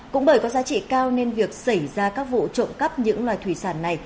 cũng bởi có giá trị cao nên việc xảy ra các vụ trộm cắp những loài thủy sản này